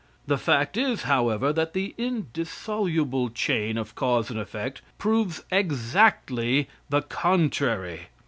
The fact is, however, that the indissoluble chain of cause and effect proves exactly the contrary.